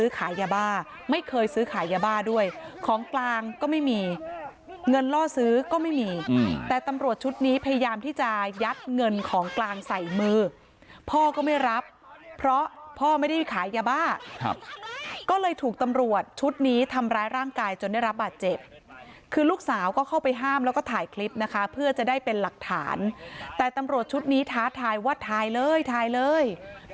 ขายยาบ้าไม่เคยซื้อขายยาบ้าด้วยของกลางก็ไม่มีเงินล่อซื้อก็ไม่มีแต่ตำรวจชุดนี้พยายามที่จะยัดเงินของกลางใส่มือพ่อก็ไม่รับเพราะพ่อไม่ได้ขายยาบ้าก็เลยถูกตำรวจชุดนี้ทำร้ายร่างกายจนได้รับบาดเจ็บคือลูกสาวก็เข้าไปห้ามแล้วก็ถ่ายคลิปนะคะเพื่อจะได้เป็นหลักฐานแต่ตำรวจชุดนี้ท้าทายว่าถ่ายเลยถ่ายเลย